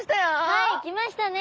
はい来ましたね！